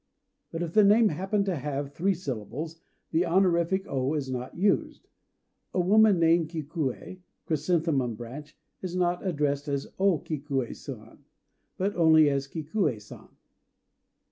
" But if the name happen to have three syllables, the honorific "O" is not used. A woman named Kikuë ("Chrysanthemum Branch") is not addressed as "O Kikuë San," but only as "Kikuë San."